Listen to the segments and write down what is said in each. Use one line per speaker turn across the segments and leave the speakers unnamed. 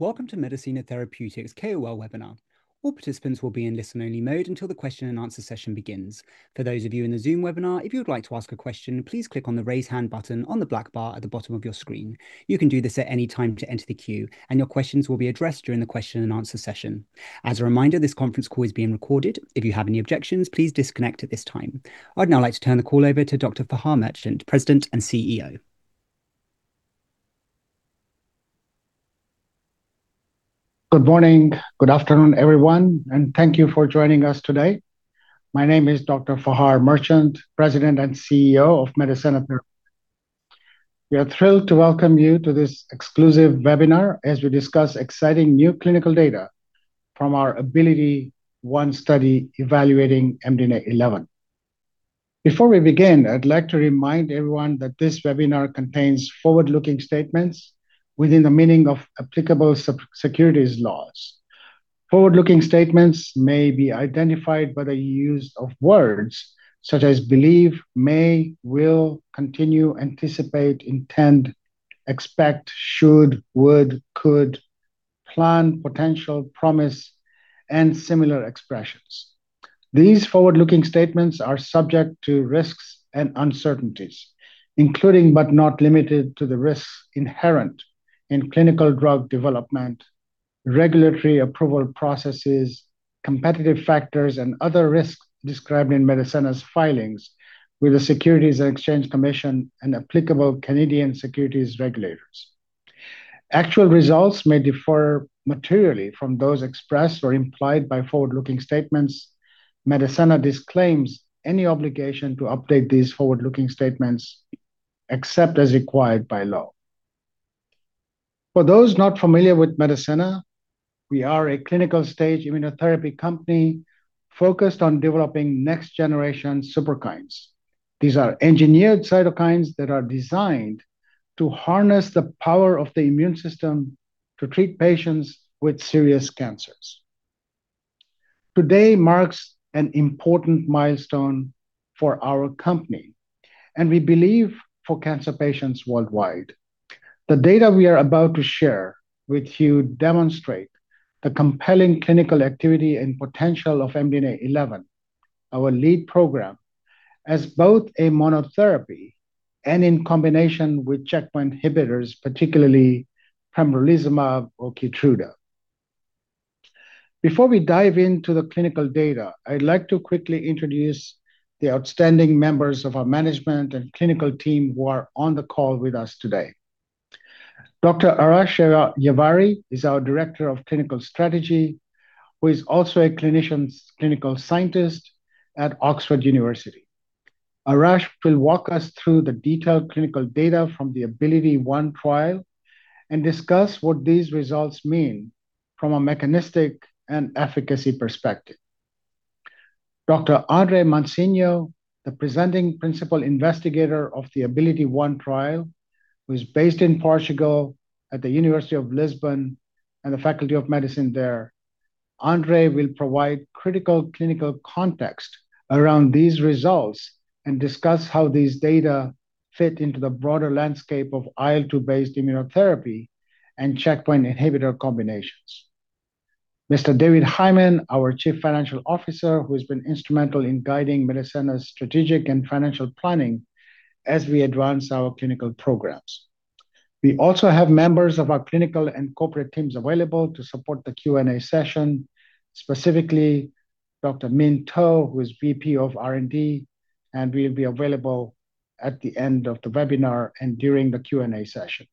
Welcome to Medicenna Therapeutics KOL webinar. All participants will be in listen-only mode until the question-and-answer session begins. For those of you in the Zoom webinar, if you would like to ask a question, please click on the Raise Hand button on the black bar at the bottom of your screen. You can do this at any time to enter the queue, and your questions will be addressed during the question-and-answer session. As a reminder, this conference call is being recorded. If you have any objections, please disconnect at this time. I'd now like to turn the call over to Dr. Fahar Merchant, President and CEO.
Good morning, good afternoon, everyone, and thank you for joining us today. My name is Dr. Fahar Merchant, President and CEO of Medicenna Therapeutics. We are thrilled to welcome you to this exclusive webinar as we discuss exciting new clinical data from our ABILITY-1 study evaluating MDNA11. Before we begin, I'd like to remind everyone that this webinar contains forward-looking statements within the meaning of applicable securities laws. Forward-looking statements may be identified by the use of words such as believe, may, will, continue, anticipate, intend, expect, should, would, could, plan, potential, promise, and similar expressions. These forward-looking statements are subject to risks and uncertainties, including but not limited to the risks inherent in clinical drug development, regulatory approval processes, competitive factors, and other risks described in Medicenna's filings with the Securities and Exchange Commission and applicable Canadian securities regulators. Actual results may differ materially from those expressed or implied by forward-looking statements. Medicenna disclaims any obligation to update these forward-looking statements except as required by law. For those not familiar with Medicenna, we are a clinical stage immunotherapy company focused on developing next-generation Superkines. These are engineered cytokines that are designed to harness the power of the immune system to treat patients with serious cancers. Today marks an important milestone for our company, and we believe for cancer patients worldwide. The data we are about to share with you demonstrate the compelling clinical activity and potential of MDNA11, our lead program, as both a monotherapy and in combination with checkpoint inhibitors, particularly pembrolizumab or Keytruda. Before we dive into the clinical data, I'd like to quickly introduce the outstanding members of our management and clinical team who are on the call with us today. Dr. Arash Yavari is our Director of Clinical Strategy, who is also a clinical scientist at Oxford University. Arash will walk us through the detailed clinical data from the ABILITY-1 trial and discuss what these results mean from a mechanistic and efficacy perspective. Dr. André Mansinho, the presenting principal investigator of the ABILITY-1 trial, who is based in Portugal at the University of Lisbon and the Faculty of Medicine there, André will provide critical clinical context around these results and discuss how these data fit into the broader landscape of IL-2-based immunotherapy and checkpoint inhibitor combinations. Mr. David Hyman, our Chief Financial Officer, who has been instrumental in guiding Medicenna's strategic and financial planning as we advance our clinical programs. We also have members of our clinical and corporate teams available to support the Q&A session, specifically Dr. Minh To, who is VP of R&D, and we'll be available at the end of the webinar and during the Q&A session.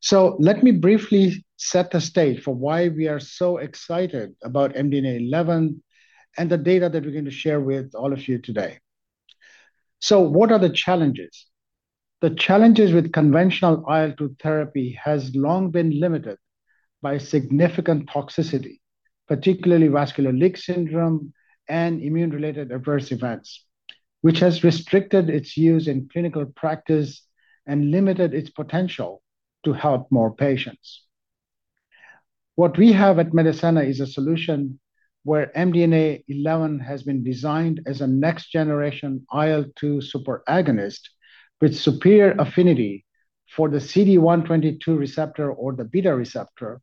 So let me briefly set the stage for why we are so excited about MDNA11 and the data that we're going to share with all of you today. So what are the challenges? The challenges with conventional IL-2 therapy have long been limited by significant toxicity, particularly vascular leak syndrome and immune-related adverse events, which has restricted its use in clinical practice and limited its potential to help more patients. What we have at Medicenna is a solution where MDNA11 has been designed as a next-generation IL-2 superagonist with superior affinity for the CD122 receptor or the beta receptor,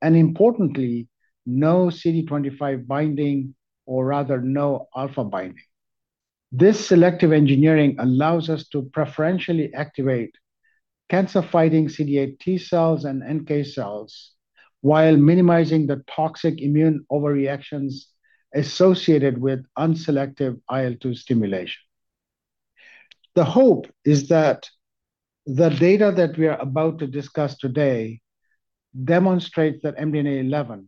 and importantly, no CD25 binding, or rather no alpha binding. This selective engineering allows us to preferentially activate cancer-fighting CD8 T cells and NK cells while minimizing the toxic immune overreactions associated with unselective IL-2 stimulation. The hope is that the data that we are about to discuss today demonstrates that MDNA11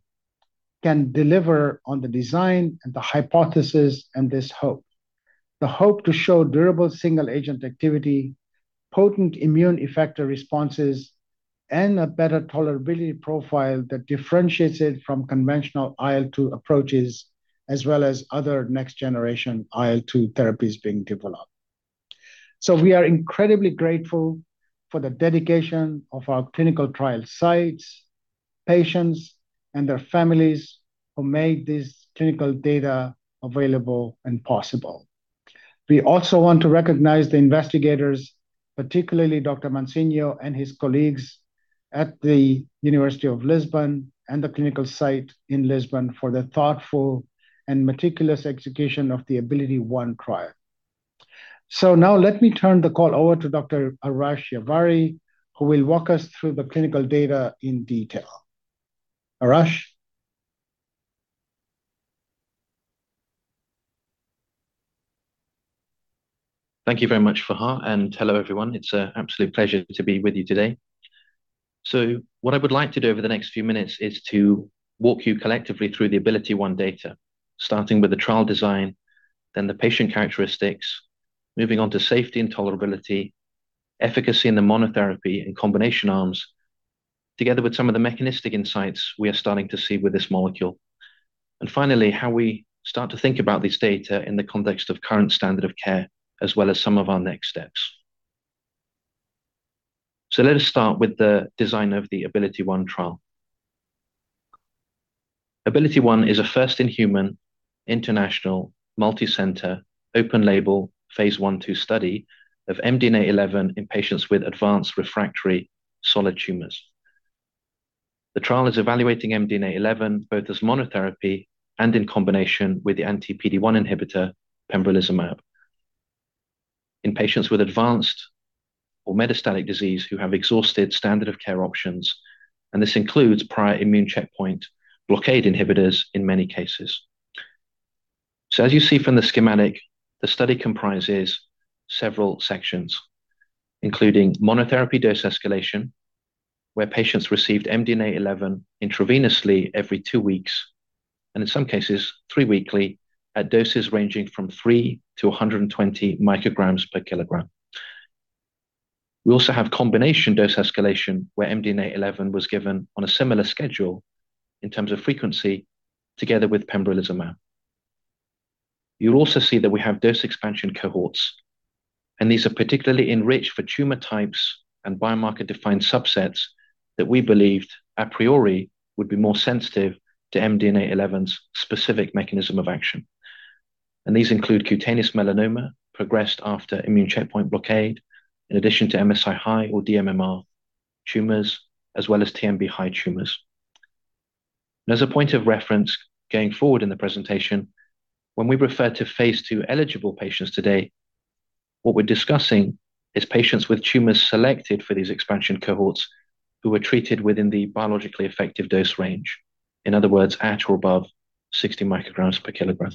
can deliver on the design and the hypothesis and this hope. The hope is to show durable single-agent activity, potent immune effector responses, and a better tolerability profile that differentiates it from conventional IL-2 approaches, as well as other next-generation IL-2 therapies being developed. So we are incredibly grateful for the dedication of our clinical trial sites, patients, and their families who made this clinical data available and possible. We also want to recognize the investigators, particularly Dr. André Mansinho and his colleagues at the University of Lisbon and the clinical site in Lisbon for the thoughtful and meticulous execution of the ABILITY-1 trial. So now let me turn the call over to Dr. Arash Yavari, who will walk us through the clinical data in detail. Arash.
Thank you very much, Fahar, and hello everyone. It's an absolute pleasure to be with you today. So what I would like to do over the next few minutes is to walk you collectively through the ABILITY-1 data, starting with the trial design, then the patient characteristics, moving on to safety and tolerability, efficacy in the monotherapy and combination arms, together with some of the mechanistic insights we are starting to see with this molecule, and finally, how we start to think about this data in the context of current standard of care, as well as some of our next steps. So let us start with the design of the ABILITY-1 trial. ABILITY-1 is a first-in-human, international, multicenter, open-label, phase I/II study of MDNA11 in patients with advanced refractory solid tumors. The trial is evaluating MDNA11 both as monotherapy and in combination with the anti-PD-1 inhibitor pembrolizumab in patients with advanced or metastatic disease who have exhausted standard of care options, and this includes prior immune checkpoint blockade inhibitors in many cases. So as you see from the schematic, the study comprises several sections, including monotherapy dose escalation, where patients received MDNA11 intravenously every two weeks, and in some cases, three-weekly at doses ranging from three to 120 micrograms per kilogram. We also have combination dose escalation, where MDNA11 was given on a similar schedule in terms of frequency together with pembrolizumab. You'll also see that we have dose expansion cohorts, and these are particularly enriched for tumor types and biomarker-defined subsets that we believed a priori would be more sensitive to MDNA11's specific mechanism of action. These include cutaneous melanoma progressed after immune checkpoint blockade, in addition to MSI-high or dMMR tumors, as well as TMB-high tumors. As a point of reference going forward in the presentation, when we refer to phase II eligible patients today, what we're discussing is patients with tumors selected for these expansion cohorts who were treated within the biologically effective dose range, in other words, at or above 60 micrograms per kilogram.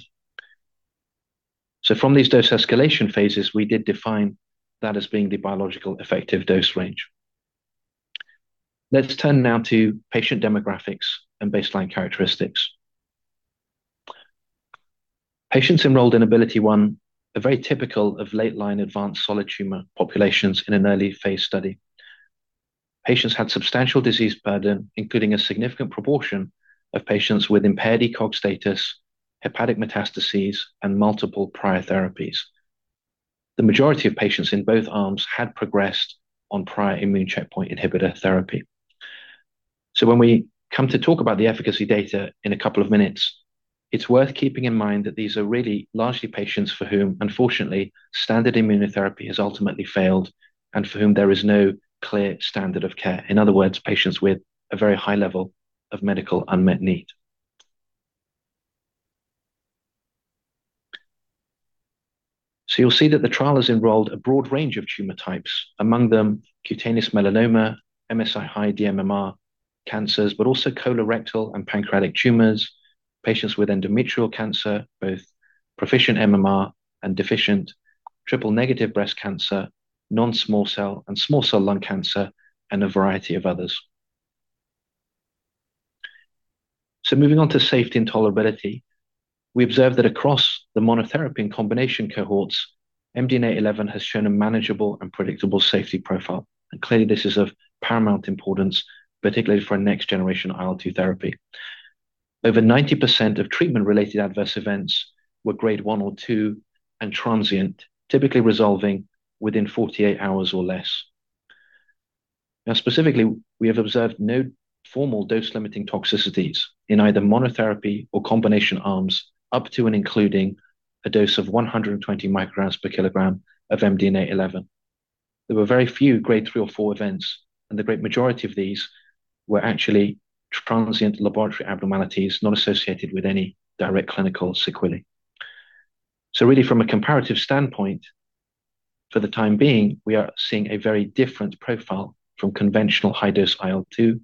So from these dose escalation phases, we did define that as being the biological effective dose range. Let's turn now to patient demographics and baseline characteristics. Patients enrolled in ABILITY-1 are very typical of late-line advanced solid tumor populations in an early phase study. Patients had substantial disease burden, including a significant proportion of patients with impaired ECOG status, hepatic metastases, and multiple prior therapies. The majority of patients in both arms had progressed on prior immune checkpoint inhibitor therapy. So when we come to talk about the efficacy data in a couple of minutes, it's worth keeping in mind that these are really largely patients for whom, unfortunately, standard immunotherapy has ultimately failed and for whom there is no clear standard of care. In other words, patients with a very high level of medical unmet need. So you'll see that the trial has enrolled a broad range of tumor types, among them cutaneous melanoma, MSI-high, dMMR cancers, but also colorectal and pancreatic tumors, patients with endometrial cancer, both proficient MMR and deficient, triple-negative breast cancer, non-small cell and small cell lung cancer, and a variety of others. So moving on to safety and tolerability, we observed that across the monotherapy and combination cohorts, MDNA11 has shown a manageable and predictable safety profile. And clearly, this is of paramount importance, particularly for next-generation IL-2 therapy. Over 90% of treatment-related adverse events were grade one or two and transient, typically resolving within 48 hours or less. Now, specifically, we have observed no formal dose-limiting toxicities in either monotherapy or combination arms up to and including a dose of 120 micrograms per kilogram of MDNA11. There were very few grade three or four events, and the great majority of these were actually transient laboratory abnormalities not associated with any direct clinical sequelae. So really, from a comparative standpoint, for the time being, we are seeing a very different profile from conventional high-dose IL-2,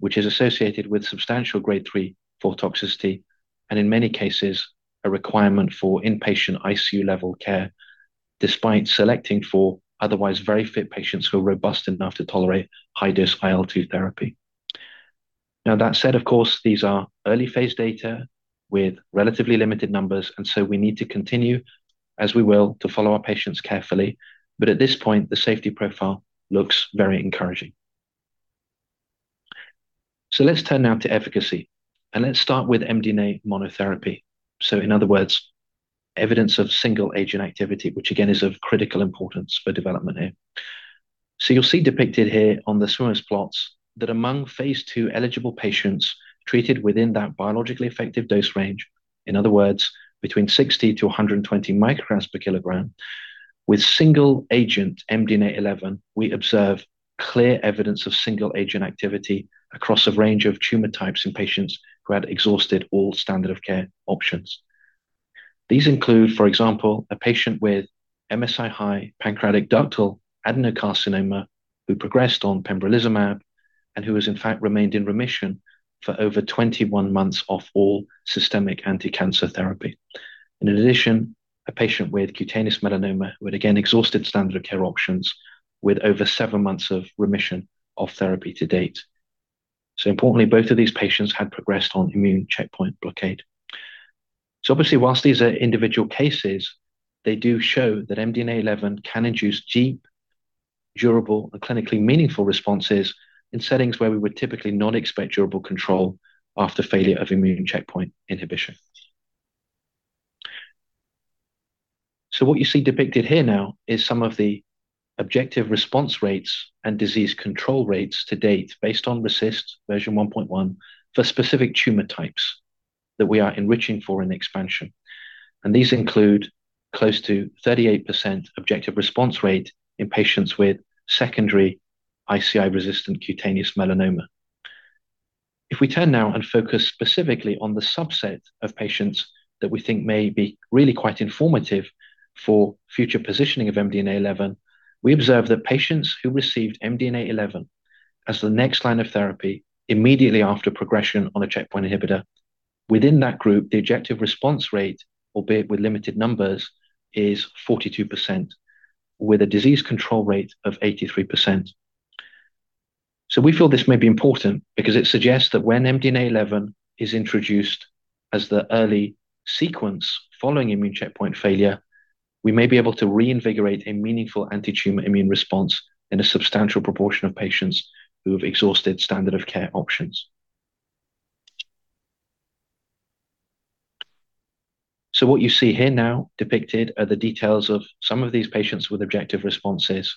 which is associated with substantial grade three toxicity and, in many cases, a requirement for inpatient ICU-level care despite selecting for otherwise very fit patients who are robust enough to tolerate high-dose IL-2 therapy. Now, that said, of course, these are early phase data with relatively limited numbers, and so we need to continue, as we will, to follow our patients carefully. But at this point, the safety profile looks very encouraging. So let's turn now to efficacy, and let's start with MDNA monotherapy. So in other words, evidence of single-agent activity, which again is of critical importance for development here. So you'll see depicted here on the swimmers' plots that among phase II eligible patients treated within that biologically effective dose range, in other words, between 60-120 micrograms per kilogram, with single-agent MDNA11, we observe clear evidence of single-agent activity across a range of tumor types in patients who had exhausted all standard of care options. These include, for example, a patient with MSI-high pancreatic ductal adenocarcinoma who progressed on pembrolizumab and who has, in fact, remained in remission for over 21 months off all systemic anti-cancer therapy. In addition, a patient with cutaneous melanoma who had again exhausted standard of care options with over seven months of remission off therapy to date. So importantly, both of these patients had progressed on immune checkpoint blockade. So obviously, whilst these are individual cases, they do show that MDNA11 can induce deep, durable, and clinically meaningful responses in settings where we would typically not expect durable control after failure of immune checkpoint inhibition. So what you see depicted here now is some of the objective response rates and disease control rates to date based on RECIST 1.1 for specific tumor types that we are enriching for in expansion. And these include close to 38% objective response rate in patients with secondary ICI-resistant cutaneous melanoma. If we turn now and focus specifically on the subset of patients that we think may be really quite informative for future positioning of MDNA11, we observe that patients who received MDNA11 as the next line of therapy immediately after progression on a checkpoint inhibitor, within that group, the objective response rate, albeit with limited numbers, is 42%, with a disease control rate of 83%. So we feel this may be important because it suggests that when MDNA11 is introduced as the early sequence following immune checkpoint failure, we may be able to reinvigorate a meaningful anti-tumor immune response in a substantial proportion of patients who have exhausted standard of care options. So what you see here now depicted are the details of some of these patients with objective responses.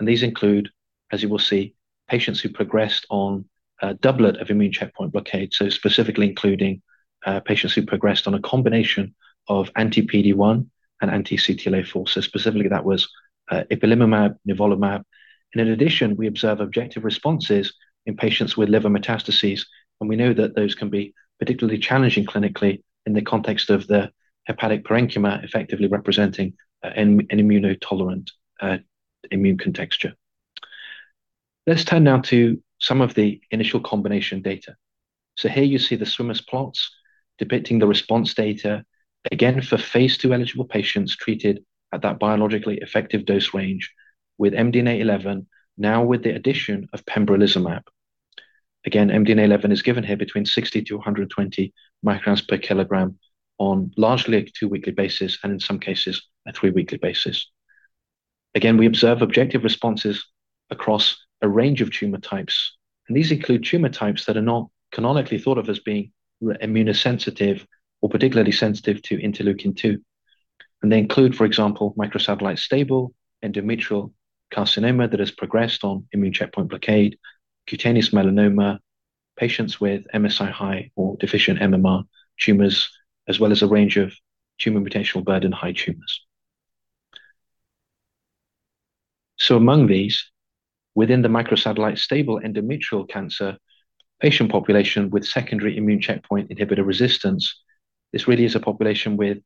These include, as you will see, patients who progressed on a doublet of immune checkpoint blockade, so specifically including patients who progressed on a combination of anti-PD1 and anti-CTLA-4. Specifically, that was ipilimumab, nivolumab. In addition, we observe objective responses in patients with liver metastases, and we know that those can be particularly challenging clinically in the context of the hepatic parenchyma effectively representing an immunotolerant immune contexture. Let's turn now to some of the initial combination data. Here you see the swimmers' plots depicting the response data, again, for phase II eligible patients treated at that biologically effective dose range with MDNA11, now with the addition of pembrolizumab. Again, MDNA11 is given here between 60-120 micrograms per kilogram on largely a two-weekly basis and, in some cases, a three-weekly basis. Again, we observe objective responses across a range of tumor types, and these include tumor types that are not canonically thought of as being immunosensitive or particularly sensitive to interleukin-2. And they include, for example, microsatellite stable endometrial carcinoma that has progressed on immune checkpoint blockade, cutaneous melanoma, patients with MSI-high or deficient MMR tumors, as well as a range of tumor mutational burden high tumors. So among these, within the microsatellite stable endometrial cancer patient population with secondary immune checkpoint inhibitor resistance, this really is a population with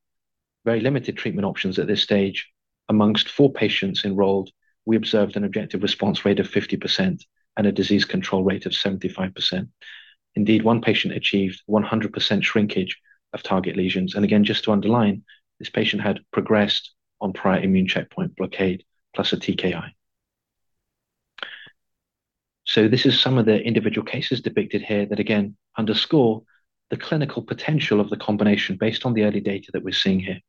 very limited treatment options at this stage. Amongst four patients enrolled, we observed an objective response rate of 50% and a disease control rate of 75%. Indeed, one patient achieved 100% shrinkage of target lesions. And again, just to underline, this patient had progressed on prior immune checkpoint blockade plus a TKI. This is some of the individual cases depicted here that, again, underscore the clinical potential of the combination based on the early data that we're seeing here.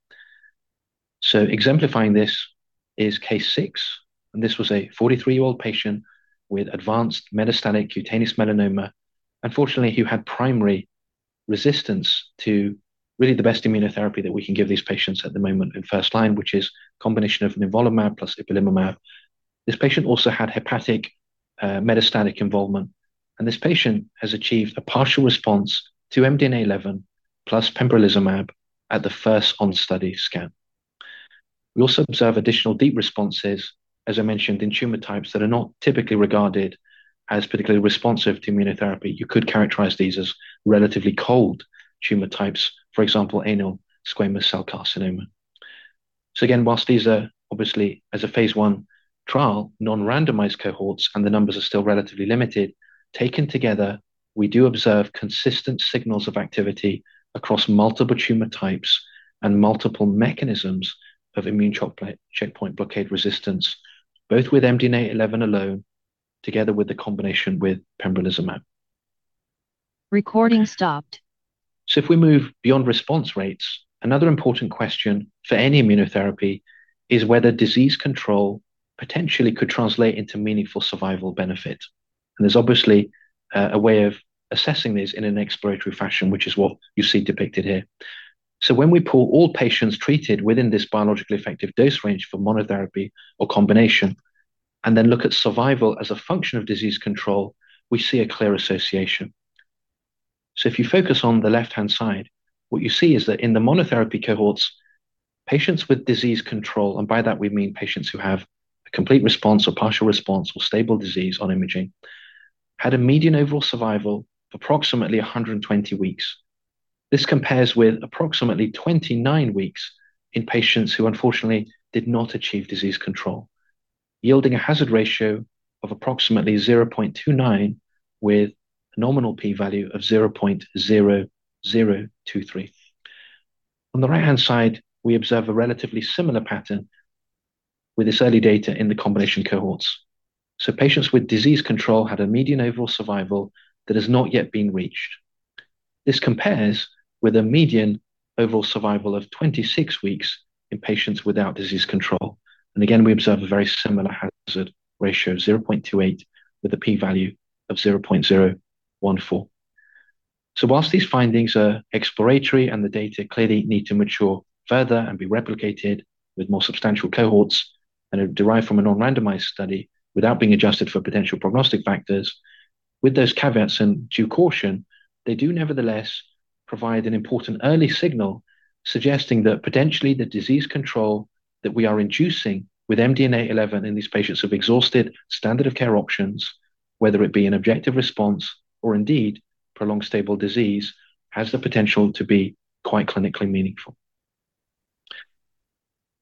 Exemplifying this is case six, and this was a 43-year-old patient with advanced metastatic cutaneous melanoma, unfortunately, who had primary resistance to really the best immunotherapy that we can give these patients at the moment in first line, which is a combination of nivolumab plus ipilimumab. This patient also had hepatic metastatic involvement, and this patient has achieved a partial response to MDNA11 plus pembrolizumab at the first on-study scan. We also observe additional deep responses, as I mentioned, in tumor types that are not typically regarded as particularly responsive to immunotherapy. You could characterize these as relatively cold tumor types, for example, anal squamous cell carcinoma. So again, while these are obviously, as a phase I trial, non-randomized cohorts and the numbers are still relatively limited, taken together, we do observe consistent signals of activity across multiple tumor types and multiple mechanisms of immune checkpoint blockade resistance, both with MDNA11 alone, together with the combination with pembrolizumab. So if we move beyond response rates, another important question for any immunotherapy is whether disease control potentially could translate into meaningful survival benefit. And there's obviously a way of assessing this in an exploratory fashion, which is what you see depicted here. So when we pull all patients treated within this biologically effective dose range for monotherapy or combination and then look at survival as a function of disease control, we see a clear association. So if you focus on the left-hand side, what you see is that in the monotherapy cohorts, patients with disease control, and by that we mean patients who have a complete response or partial response or stable disease on imaging, had a median overall survival of approximately 120 weeks. This compares with approximately 29 weeks in patients who unfortunately did not achieve disease control, yielding a hazard ratio of approximately 0.29 with a nominal p-value of 0.0023. On the right-hand side, we observe a relatively similar pattern with this early data in the combination cohorts. So patients with disease control had a median overall survival that has not yet been reached. This compares with a median overall survival of 26 weeks in patients without disease control. And again, we observe a very similar hazard ratio of 0.28 with a p-value of 0.014. So while these findings are exploratory and the data clearly need to mature further and be replicated with more substantial cohorts and derived from a non-randomized study without being adjusted for potential prognostic factors, with those caveats and due caution, they do nevertheless provide an important early signal suggesting that potentially the disease control that we are inducing with MDNA11 in these patients who have exhausted standard of care options, whether it be an objective response or indeed prolonged stable disease, has the potential to be quite clinically meaningful.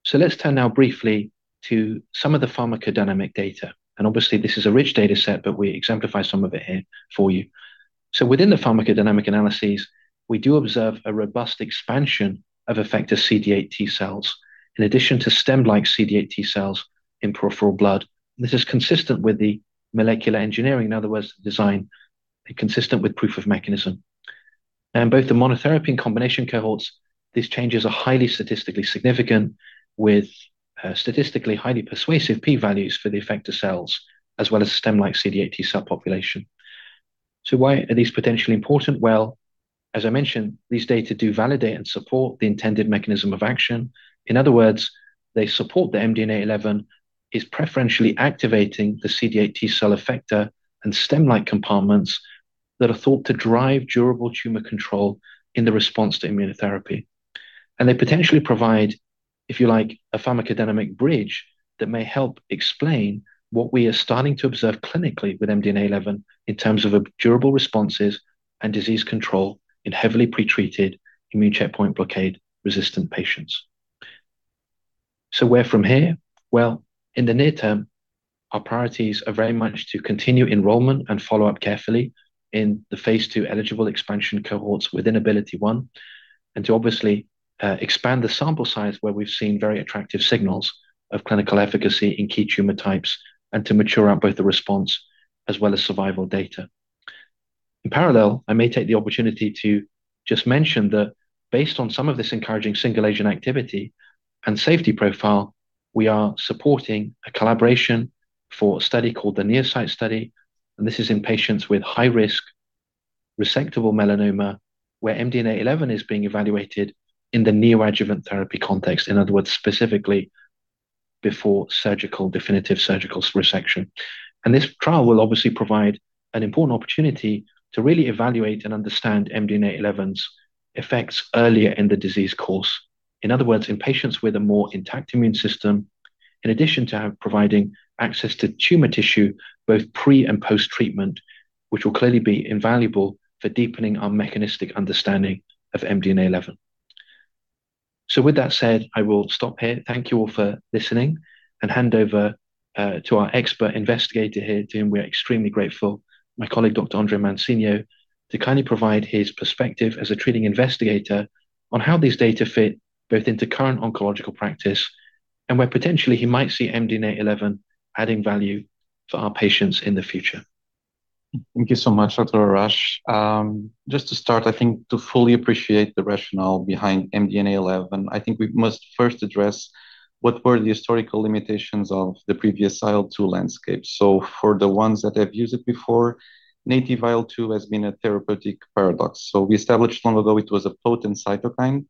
So let's turn now briefly to some of the pharmacodynamic data. And obviously, this is a rich data set, but we exemplify some of it here for you. So within the pharmacodynamic analyses, we do observe a robust expansion of effector CD8 T cells in addition to stem-like CD8 T cells in peripheral blood. This is consistent with the molecular engineering, in other words, design consistent with proof of mechanism, and both the monotherapy and combination cohorts, these changes are highly statistically significant with statistically highly persuasive p-values for the effector cells as well as stem-like CD8 T cell population, so why are these potentially important? Well, as I mentioned, these data do validate and support the intended mechanism of action. In other words, they support that MDNA11 is preferentially activating the CD8 T cell effector and stem-like compartments that are thought to drive durable tumor control in the response to immunotherapy, and they potentially provide, if you like, a pharmacodynamic bridge that may help explain what we are starting to observe clinically with MDNA11 in terms of durable responses and disease control in heavily pretreated immune checkpoint blockade resistant patients, so where from here? In the near term, our priorities are very much to continue enrollment and follow-up carefully in the phase II eligible expansion cohorts within ABILITY-1 and to obviously expand the sample size where we've seen very attractive signals of clinical efficacy in key tumor types and to mature out both the response as well as survival data. In parallel, I may take the opportunity to just mention that based on some of this encouraging single-agent activity and safety profile, we are supporting a collaboration for a study called the NEO-CYT Study, and this is in patients with high-risk resectable melanoma where MDNA11 is being evaluated in the neoadjuvant therapy context, in other words, specifically before definitive surgical resection, and this trial will obviously provide an important opportunity to really evaluate and understand MDNA11's effects earlier in the disease course. In other words, in patients with a more intact immune system, in addition to providing access to tumor tissue both pre and post-treatment, which will clearly be invaluable for deepening our mechanistic understanding of MDNA11, so with that said, I will stop here. Thank you all for listening and hand over to our expert investigator here, to whom we are extremely grateful, my colleague, Dr. André Mansinho, to kindly provide his perspective as a treating investigator on how these data fit both into current oncological practice and where potentially he might see MDNA11 adding value for our patients in the future.
Thank you so much, Dr. Arash. Just to start, I think to fully appreciate the rationale behind MDNA11, I think we must first address what were the historical limitations of the previous IL-2 landscape, so for the ones that have used it before, native IL-2 has been a therapeutic paradox, so we established long ago it was a potent cytokine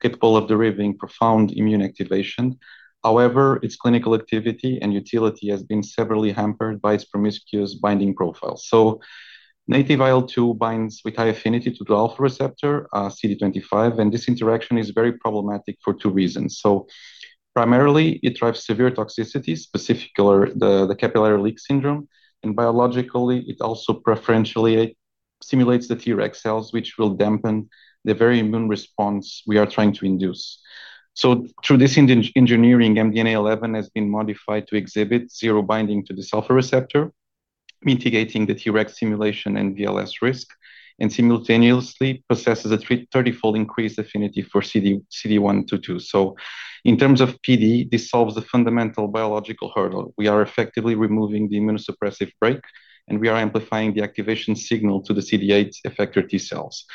capable of driving profound immune activation. However, its clinical activity and utility has been severely hampered by its promiscuous binding profile, so native IL-2 binds with high affinity to the alpha receptor, CD25, and this interaction is very problematic for two reasons, so primarily, it drives severe toxicity, specifically the capillary leak syndrome, and biologically, it also preferentially stimulates the Treg cells, which will dampen the very immune response we are trying to induce. So through this engineering, MDNA11 has been modified to exhibit zero binding to the alpha receptor, mitigating the Tregs stimulation and VLS risk, and simultaneously possesses a 30-fold increased affinity for CD122. So in terms of PD, this solves the fundamental biological hurdle. We are effectively removing the immunosuppressive brake, and we are amplifying the activation signal to the CD8 effector T cells.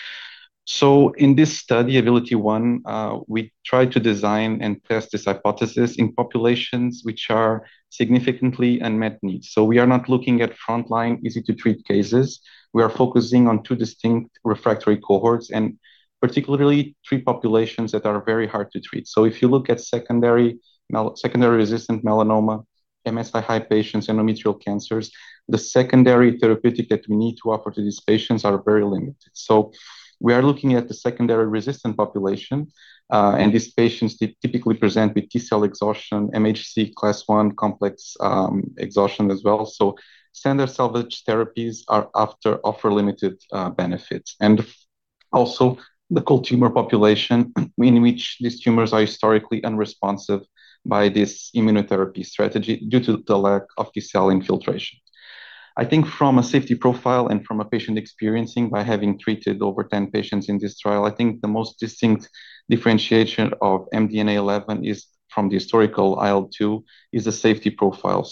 So in this study, ABILITY-1, we try to design and test this hypothesis in populations which are significantly unmet needs. So we are not looking at frontline easy-to-treat cases. We are focusing on two distinct refractory cohorts and particularly three populations that are very hard to treat. So if you look at secondary resistant melanoma, MSI-high patients, endometrial cancers, the secondary therapies that we need to offer to these patients are very limited. We are looking at the secondary resistant population, and these patients typically present with T cell exhaustion, MHC class I complex exhaustion as well. Standard salvage therapies are offered limited benefits. Also, the cold tumor population in which these tumors are historically unresponsive to this immunotherapy strategy due to the lack of T cell infiltration. I think from a safety profile and from a patient experience by having treated over 10 patients in this trial, I think the most distinct differentiation of MDNA11 from the historical IL-2 is the safety profile.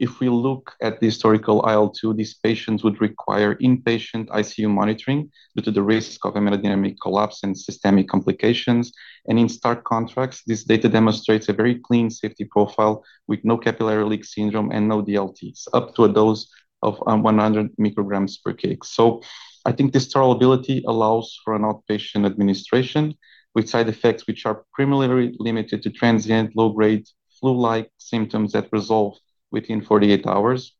If we look at the historical IL-2, these patients would require inpatient ICU monitoring due to the risk of hemodynamic collapse and systemic complications. In this context, this data demonstrates a very clean safety profile with no capillary leak syndrome and no DLTs up to a dose of 100 micrograms/kg. So I think this tolerability allows for an outpatient administration with side effects which are primarily limited to transient low-grade flu-like symptoms that resolve within 48 hours.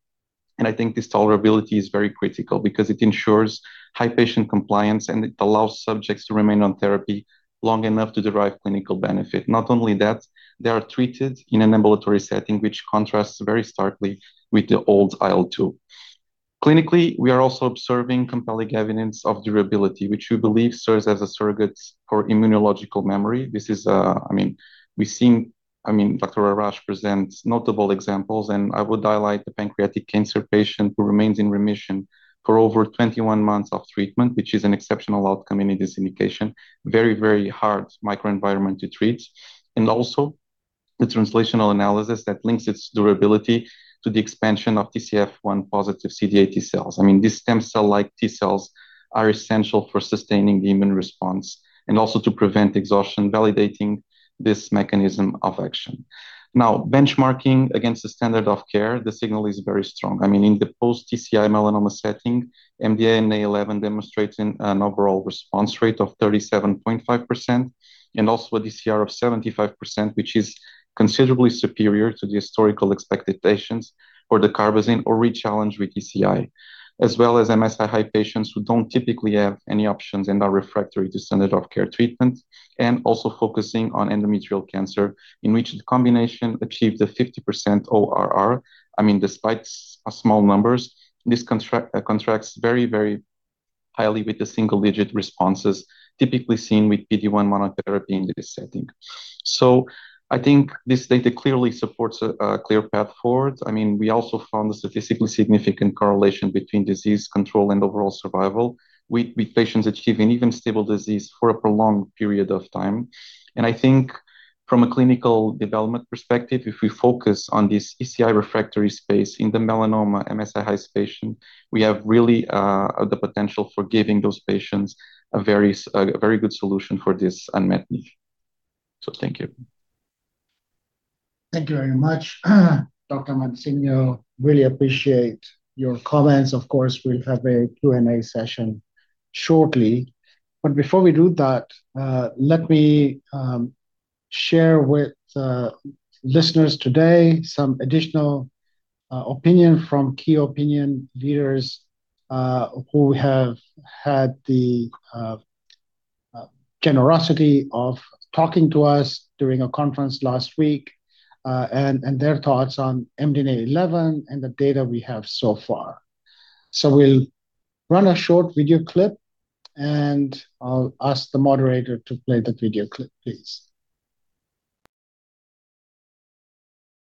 And I think this tolerability is very critical because it ensures high patient compliance, and it allows subjects to remain on therapy long enough to derive clinical benefit. Not only that, they are treated in an ambulatory setting, which contrasts very starkly with the old IL-2. Clinically, we are also observing compelling evidence of durability, which we believe serves as a surrogate for immunological memory. This is, I mean, we've seen, I mean, Dr. Arash presents notable examples, and I would highlight the pancreatic cancer patient who remains in remission for over 21 months of treatment, which is an exceptional outcome in this indication, very, very hard microenvironment to treat. And also the translational analysis that links its durability to the expansion of TCF1 positive CD8 T cells. I mean, these stem cell-like T cells are essential for sustaining the immune response and also to prevent exhaustion, validating this mechanism of action. Now, benchmarking against the standard of care, the signal is very strong. I mean, in the post-ICI melanoma setting, MDNA11 demonstrates an overall response rate of 37.5% and also a DCR of 75%, which is considerably superior to the historical expected patients for the dacarbazine or re-challenge with ICI, as well as MSI-high patients who don't typically have any options and are refractory to standard of care treatment, and also focusing on endometrial cancer, in which the combination achieved a 50% ORR. I mean, despite small numbers, this contrasts very, very highly with the single-digit responses typically seen with PD-1 monotherapy in this setting. So I think this data clearly supports a clear path forward. I mean, we also found a statistically significant correlation between disease control and overall survival with patients achieving even stable disease for a prolonged period of time. And I think from a clinical development perspective, if we focus on this ICI-refractory space in the melanoma MSI-high patient, we have really the potential for giving those patients a very good solution for this unmet need. So thank you.
Thank you very much, Dr. Mansinho. Really appreciate your comments. Of course, we'll have a Q&A session shortly. But before we do that, let me share with listeners today some additional opinion from key opinion leaders who have had the generosity of talking to us during a conference last week and their thoughts on MDNA11 and the data we have so far. So we'll run a short video clip, and I'll ask the moderator to play the video clip, please.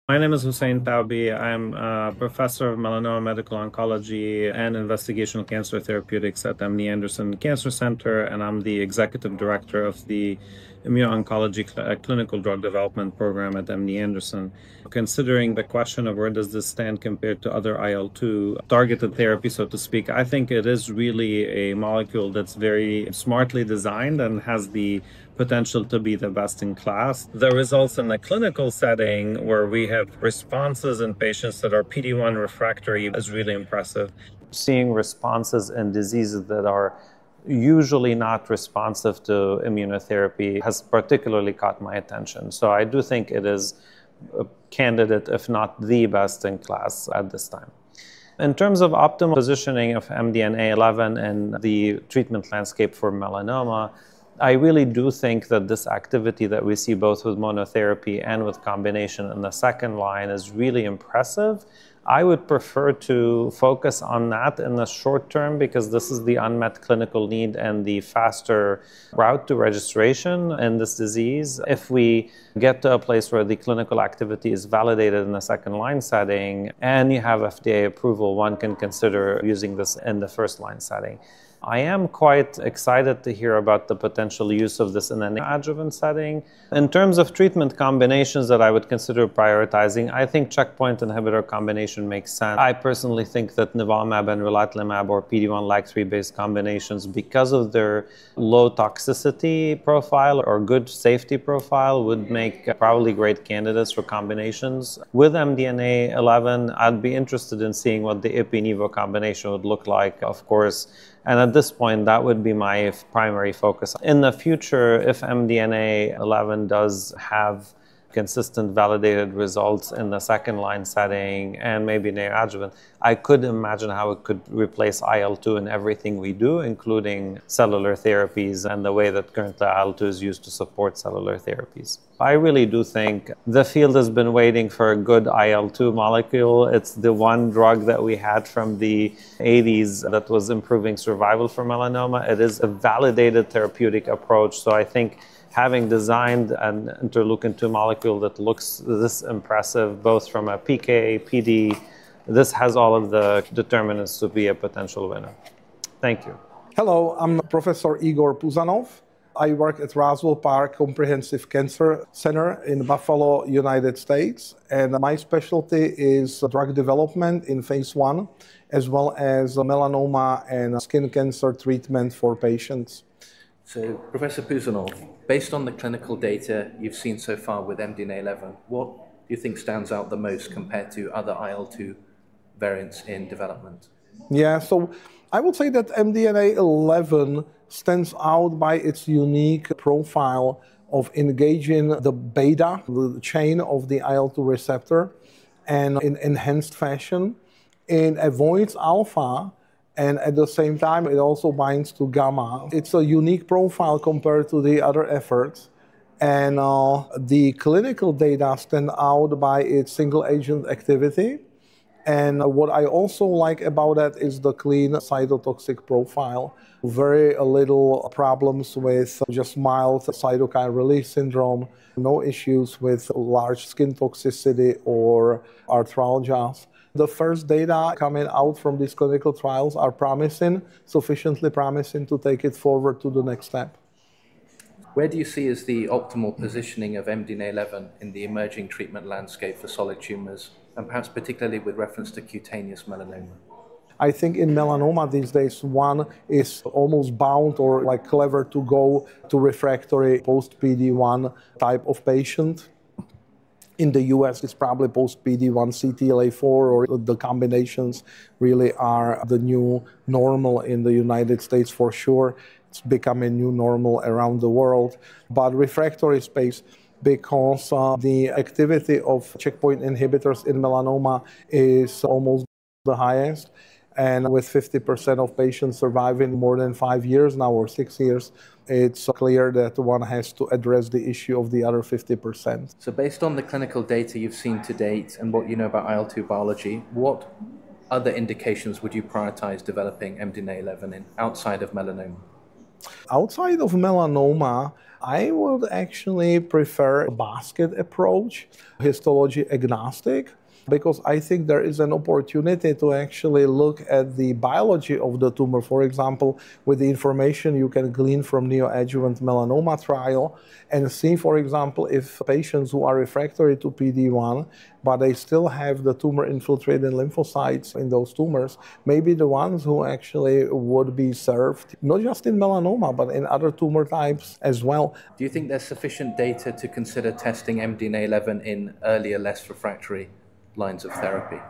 My name is Hussein Tawbi. I'm a professor of melanoma medical oncology and investigational cancer therapeutics at MD Anderson Cancer Center, and I'm the executive director of the Immuno-Oncology Clinical Drug Development Program at MD Anderson. Considering the question of where does this stand compared to other IL-2 targeted therapies, so to speak, I think it is really a molecule that's very smartly designed and has the potential to be the best in class. The results in the clinical setting where we have responses in patients that are PD-1 refractory is really impressive. Seeing responses in diseases that are usually not responsive to immunotherapy has particularly caught my attention. So I do think it is a candidate, if not the best in class at this time. In terms of optimal positioning of MDNA11 and the treatment landscape for melanoma, I really do think that this activity that we see both with monotherapy and with combination in the second line is really impressive. I would prefer to focus on that in the short term because this is the unmet clinical need and the faster route to registration in this disease. If we get to a place where the clinical activity is validated in the second line setting and you have FDA approval, one can consider using this in the first line setting. I am quite excited to hear about the potential use of this in an adjuvant setting. In terms of treatment combinations that I would consider prioritizing, I think checkpoint inhibitor combination makes sense. I personally think that nivolumab and relatlimab or PD-1 LAG-3 based combinations, because of their low toxicity profile or good safety profile, would make probably great candidates for combinations. With MDNA11, I'd be interested in seeing what the Ipi/Nivo combination would look like, of course. And at this point, that would be my primary focus. In the future, if MDNA11 does have consistent validated results in the second line setting and maybe an adjuvant, I could imagine how it could replace IL-2 in everything we do, including cellular therapies and the way that currently IL-2 is used to support cellular therapies. I really do think the field has been waiting for a good IL-2 molecule. It's the one drug that we had from the 1980s that was improving survival for melanoma. It is a validated therapeutic approach. So I think having designed an interleukin-2 molecule that looks this impressive both from a PK, PD, this has all of the determinants to be a potential winner. Thank you. Hello, I'm Professor Igor Puzanov. I work at Roswell Park Comprehensive Cancer Center in Buffalo, United States, and my specialty is drug development in phase I, as well as melanoma and skin cancer treatment for patients. So Professor Puzanov, based on the clinical data you've seen so far with MDNA11, what do you think stands out the most compared to other IL-2 variants in development? Yeah, so I would say that MDNA11 stands out by its unique profile of engaging the beta, the chain of the IL-2 receptor, and in enhanced fashion. It avoids alpha, and at the same time, it also binds to gamma. It's a unique profile compared to the other efforts, and the clinical data stand out by its single-agent activity, and what I also like about that is the clean cytotoxic profile, very little problems with just mild cytokine release syndrome, no issues with large skin toxicity or arthralgias. The first data coming out from these clinical trials are promising, sufficiently promising to take it forward to the next step. Where do you see is the optimal positioning of MDNA11 in the emerging treatment landscape for solid tumors, and perhaps particularly with reference to cutaneous melanoma? I think in melanoma these days, one is almost bound or like clever to go to refractory post-PD-1 type of patient. In the U.S., it's probably post-PD-1 CTLA-4 or the combinations really are the new normal in the United States for sure. It's becoming new normal around the world, but refractory space, because the activity of checkpoint inhibitors in melanoma is almost the highest, and with 50% of patients surviving more than five years now or six years, it's clear that one has to address the issue of the other 50%. So based on the clinical data you've seen to date and what you know about IL-2 biology, what other indications would you prioritize developing MDNA11 in outside of melanoma? Outside of melanoma, I would actually prefer a basket approach, histology agnostic, because I think there is an opportunity to actually look at the biology of the tumor. For example, with the information you can glean from neoadjuvant melanoma trial and see, for example, if patients who are refractory to PD1, but they still have the tumor infiltrated lymphocytes in those tumors, maybe the ones who actually would be served, not just in melanoma, but in other tumor types as well. Do you think there's sufficient data to consider testing MDNA11 in earlier, less refractory lines of therapy?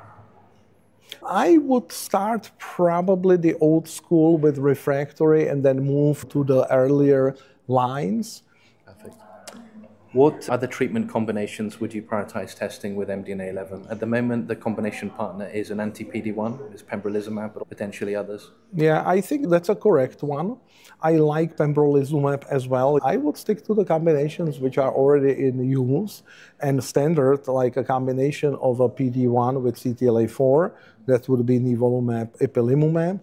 I would start probably the old school with refractory and then move to the earlier lines, I think. What other treatment combinations would you prioritize testing with MDNA11? At the moment, the combination partner is an anti-PD-1, is pembrolizumab, but potentially others. Yeah, I think that's a correct one. I like pembrolizumab as well. I would stick to the combinations which are already in use and standard, like a combination of a PD-1 with CTLA-4 that would be nivolumab, ipilimumab,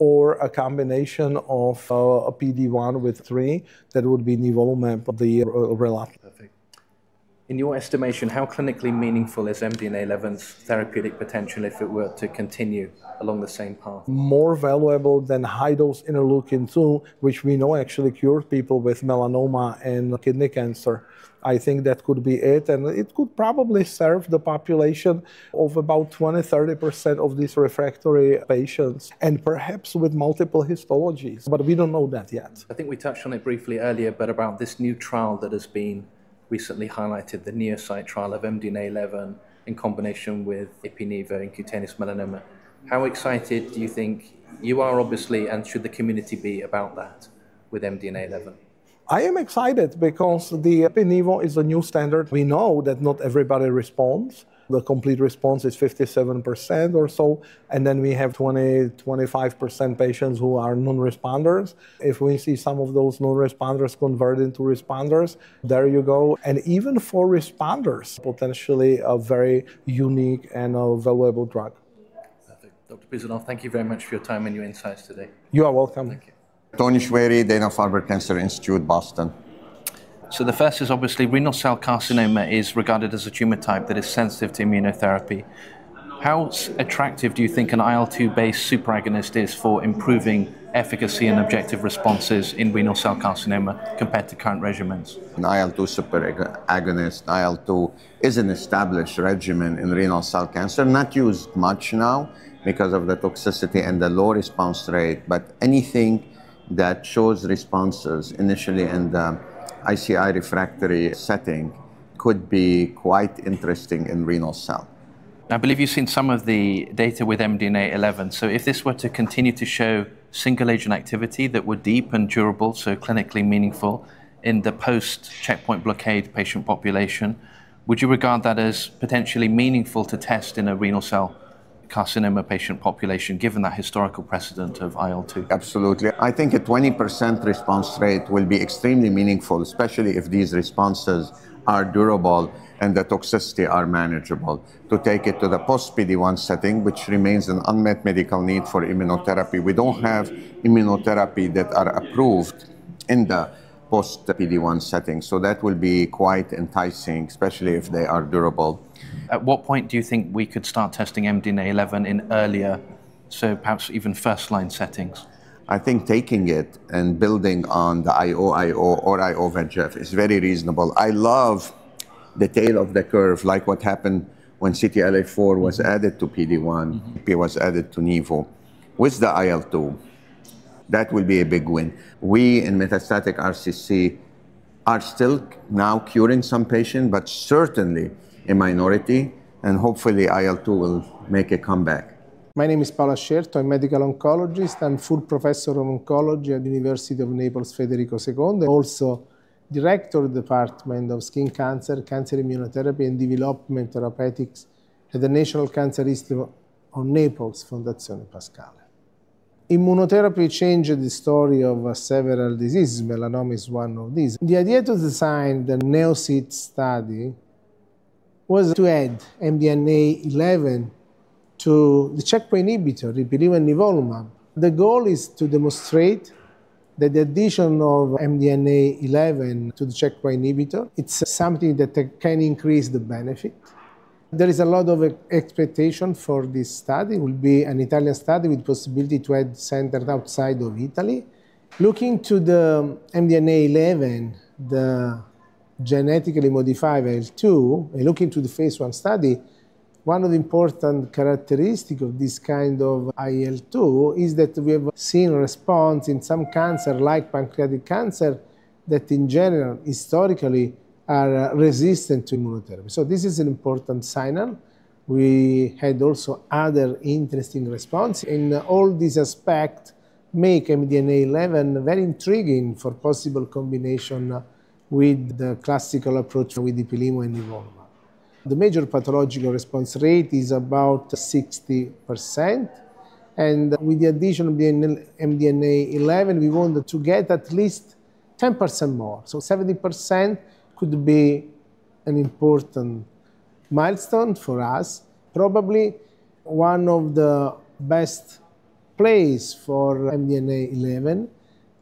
or a combination of a PD-1 with LAG-3 that would be nivolumab, relatlimab. In your estimation, how clinically meaningful is MDNA11's therapeutic potential if it were to continue along the same path? More valuable than high-dose interleukin-2, which we know actually cured people with melanoma and kidney cancer. I think that could be it, and it could probably serve the population of about 20%, 30% of these refractory patients, and perhaps with multiple histologies, but we don't know that yet. I think we touched on it briefly earlier, but about this new trial that has been recently highlighted, the NEO-CYT trial of MDNA11 in combination with Ipi/Nivo in cutaneous melanoma. How excited do you think you are, obviously, and should the community be about that with MDNA11? I am excited because the Ipi/Nivo is a new standard. We know that not everybody responds. The complete response is 57% or so, and then we have 20%, 25% patients who are non-responders. If we see some of those non-responders convert into responders, there you go, and even for responders, potentially a very unique and valuable drug. Dr. Puzanov, thank you very much for your time and your insights today. You're welcome. Thank you. Toni Choueiri, Dana-Farber Cancer Institute, Boston. So the first is obviously renal cell carcinoma is regarded as a tumor type that is sensitive to immunotherapy. How attractive do you think an IL-2-based superagonist is for improving efficacy and objective responses in renal cell carcinoma compared to current regimens? An IL-2 superagonist, IL-2, is an established regimen in renal cell cancer, not used much now because of the toxicity and the low response rate, but anything that shows responses initially in the ICI refractory setting could be quite interesting in renal cell. I believe you've seen some of the data with MDNA11. So if this were to continue to show single-agent activity that were deep and durable, so clinically meaningful in the post-checkpoint blockade patient population, would you regard that as potentially meaningful to test in a renal cell carcinoma patient population given that historical precedent of IL-2? Absolutely. I think a 20% response rate will be extremely meaningful, especially if these responses are durable and the toxicity are manageable, to take it to the post-PD-1 setting, which remains an unmet medical need for immunotherapy. We don't have immunotherapy that are approved in the post-PD-1 setting, so that will be quite enticing, especially if they are durable. At what point do you think we could start testing MDNA11 in earlier, so perhaps even first line settings? I think taking it and building on the IO-IO or IO-VEGF is very reasonable. I love the tail of the curve, like what happened when CTLA-4 was added to PD1, IPI was added to NIVO with the IL-2. That will be a big win. We in metastatic RCC are still now curing some patients, but certainly a minority, and hopefully IL-2 will make a comeback. My name is Paolo Ascierto. I'm a medical oncologist. I'm a full professor of oncology at the University of Naples Federico II, also director of the Department of Skin Cancer, Cancer Immunotherapy and Development Therapeutics at the National Cancer Institute in Naples, Fondazione Pascale. Immunotherapy changed the story of several diseases. Melanoma is one of these. The idea to design the NEO-CYT study was to add MDNA11 to the checkpoint inhibitor, Ipi/Nivo and nivolumab. The goal is to demonstrate that the addition of MDNA11 to the checkpoint inhibitor, it's something that can increase the benefit. There is a lot of expectation for this study. It will be an Italian study with the possibility to add centers outside of Italy. Looking to the MDNA11, the genetically modified IL-2, and looking to the phase I study, one of the important characteristics of this kind of IL-2 is that we have seen a response in some cancers, like pancreatic cancer, that in general, historically, are resistant to immunotherapy, so this is an important signal. We had also other interesting responses. In all these aspects, make MDNA11 very intriguing for possible combination with the classical approach with Ipi/Nivo and Nivolumab. The major pathological response rate is about 60%, and with the addition of MDNA11, we want to get at least 10% more, so 70% could be an important milestone for us. Probably one of the best plays for MDNA11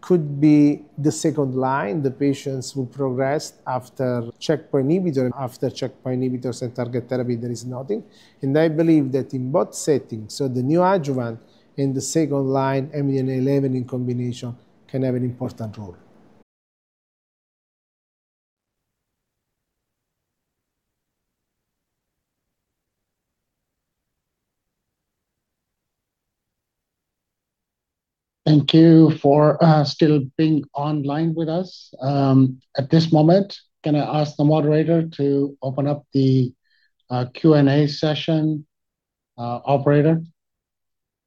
could be the second line. The patients will progress after checkpoint inhibitor. After checkpoint inhibitors and target therapy, there is nothing. And I believe that in both settings, so the neoadjuvant and the second line MDNA11 in combination can have an important role. Thank you for still being online with us. At this moment, can I ask the moderator to open up the Q&A session, operator?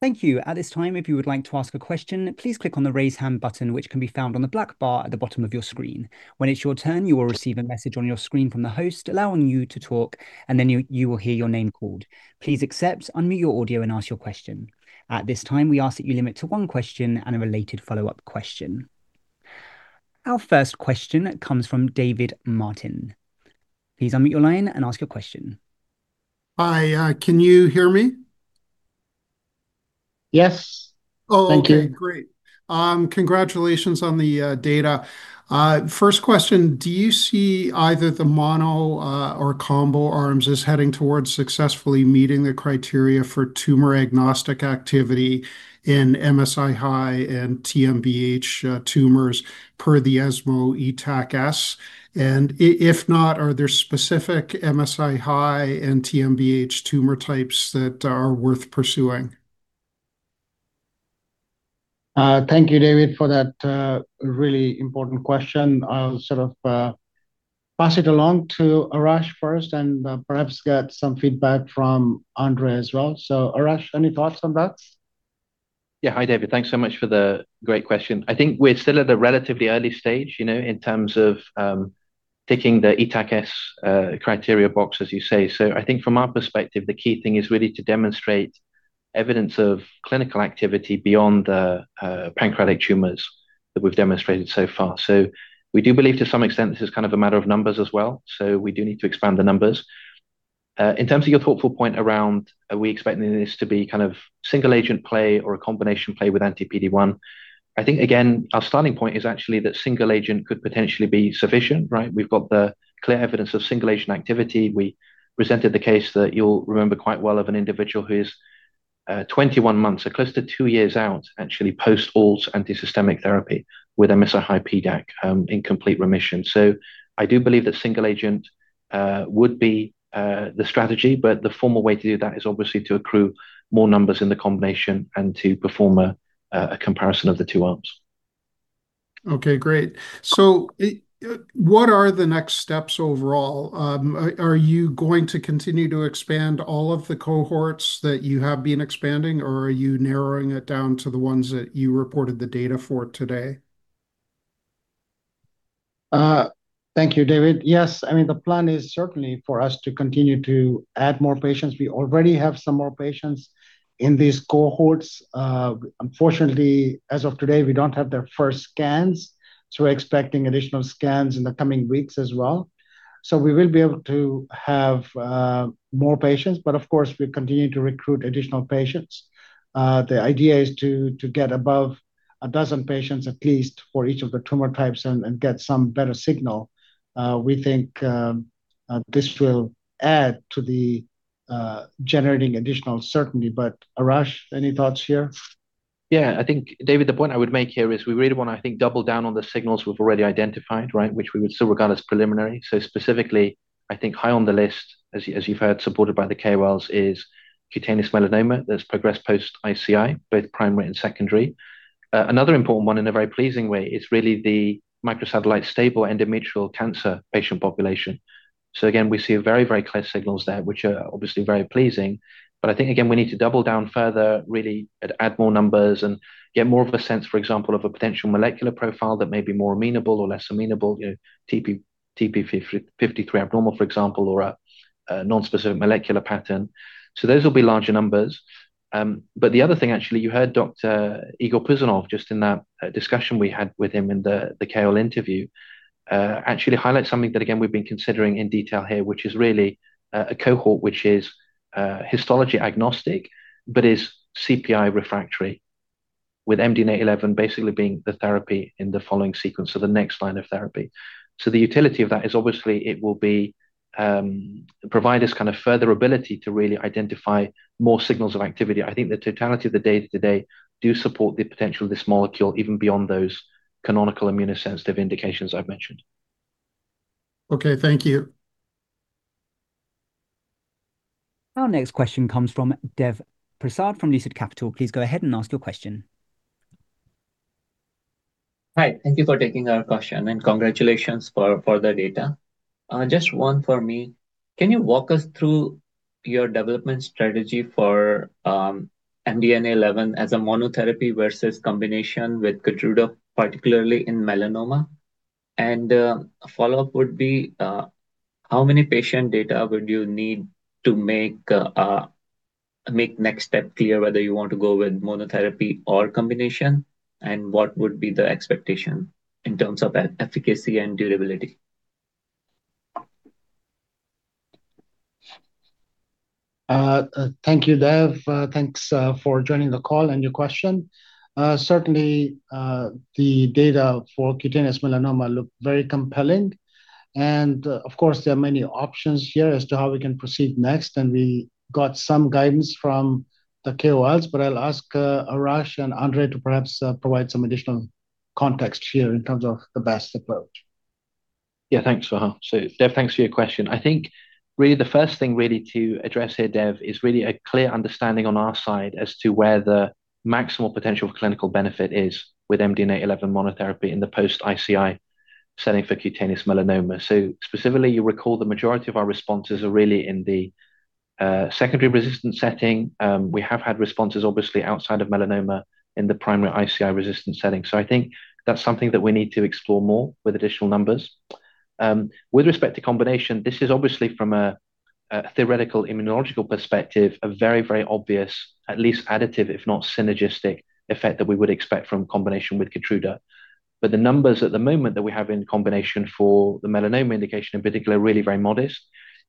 Thank you. At this time, if you would like to ask a question, please click on the raise hand button, which can be found on the black bar at the bottom of your screen. When it's your turn, you will receive a message on your screen from the host allowing you to talk, and then you will hear your name called. Please accept, unmute your audio, and ask your question. At this time, we ask that you limit to one question and a related follow-up question. Our first question comes from David Martin. Please unmute your line and ask your question.
Hi, can you hear me?
Yes. Thank you.
Great. Congratulations on the data. First question, do you see either the mono or combo arms as heading towards successfully meeting the criteria for tumor agnostic activity in MSI-high and TMB-H tumors per the ESMO ETAC-S? And if not, are there specific MSI-high and TMB-H tumor types that are worth pursuing?
Thank you, David, for that really important question. I'll sort of pass it along to Arash first and perhaps get some feedback from André as well. So Arash, any thoughts on that?
Yeah, hi David. Thanks so much for the great question. I think we're still at a relatively early stage, you know, in terms of ticking the ETAC-S criteria box, as you say. So I think from our perspective, the key thing is really to demonstrate evidence of clinical activity beyond the pancreatic tumors that we've demonstrated so far. So we do believe to some extent this is kind of a matter of numbers as well. So we do need to expand the numbers. In terms of your thoughtful point around are we expecting this to be kind of single-agent play or a combination play with anti-PD1? I think, again, our starting point is actually that single-agent could potentially be sufficient, right? We've got the clear evidence of single-agent activity. We presented the case that you'll remember quite well of an individual who is 21 months, so close to two years out, actually post high-dose IL-2 systemic therapy with MSI-high PDAC in complete remission. So I do believe that single-agent would be the strategy, but the formal way to do that is obviously to accrue more numbers in the combination and to perform a comparison of the two arms.
Okay, great. So what are the next steps overall? Are you going to continue to expand all of the cohorts that you have been expanding, or are you narrowing it down to the ones that you reported the data for today?
Thank you, David. Yes, I mean, the plan is certainly for us to continue to add more patients. We already have some more patients in these cohorts. Unfortunately, as of today, we don't have their first scans, so we're expecting additional scans in the coming weeks as well. So we will be able to have more patients, but of course, we continue to recruit additional patients. The idea is to get above a dozen patients at least for each of the tumor types and get some better signal. We think this will add to the generating additional certainty, but Arash, any thoughts here?
Yeah, I think, David, the point I would make here is we really want to, I think, double down on the signals we've already identified, right, which we would still regard as preliminary. So specifically, I think high on the list, as you've heard, supported by the KOLs, is cutaneous melanoma that's progressed post-ICI, both primary and secondary. Another important one in a very pleasing way is really the microsatellite stable endometrial cancer patient population. So again, we see very, very clear signals there, which are obviously very pleasing, but I think, again, we need to double down further, really add more numbers and get more of a sense, for example, of a potential molecular profile that may be more amenable or less amenable, TP53 abnormal, for example, or a nonspecific molecular pattern. So those will be larger numbers. But the other thing, actually, you heard Dr. Igor Puzanov, just in that discussion we had with him in the KOL interview, actually highlight something that, again, we've been considering in detail here, which is really a cohort which is histology agnostic, but is CPI refractory, with MDNA11 basically being the therapy in the following sequence, so the next line of therapy. So the utility of that is obviously it will provide us kind of further ability to really identify more signals of activity. I think the totality of the data today does support the potential of this molecule even beyond those canonical immunosensitive indications I've mentioned.
Okay, thank you.
Our next question comes from Dev Prasad from Lucid Capital. Please go ahead and ask your question.
Hi, thank you for taking our question and congratulations for the data. Just one for me. Can you walk us through your development strategy for MDNA11 as a monotherapy versus combination with Keytruda, particularly in melanoma? And a follow-up would be, how many patient data would you need to make next step clear whether you want to go with monotherapy or combination, and what would be the expectation in terms of efficacy and durability?
Thank you, Dev. Thanks for joining the call and your question. Certainly, the data for cutaneous melanoma look very compelling, and of course, there are many options here as to how we can proceed next, and we got some guidance from the KOLs, but I'll ask Arash and André to perhaps provide some additional context here in terms of the best approach.
Yeah, thanks, Fahar. So Dev, thanks for your question. I think really the first thing really to address here, Dev, is really a clear understanding on our side as to where the maximal potential for clinical benefit is with MDNA11 monotherapy in the post-ICI setting for cutaneous melanoma. So specifically, you recall the majority of our responses are really in the secondary resistance setting. We have had responses obviously outside of melanoma in the primary ICI resistance setting. So I think that's something that we need to explore more with additional numbers. With respect to combination, this is obviously from a theoretical immunological perspective, a very, very obvious, at least additive, if not synergistic effect that we would expect from combination with Keytruda. But the numbers at the moment that we have in combination for the melanoma indication in particular are really very modest.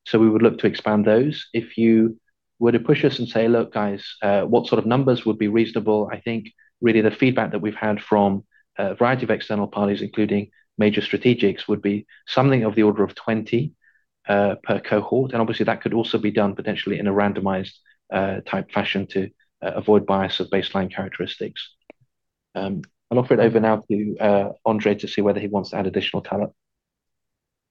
So we would look to expand those. If you were to push us and say, "Look, guys, what sort of numbers would be reasonable?" I think really the feedback that we've had from a variety of external parties, including major strategics, would be something of the order of 20 per cohort. And obviously, that could also be done potentially in a randomized type fashion to avoid bias of baseline characteristics. I'll offer it over now to André to see whether he wants to add additional talent.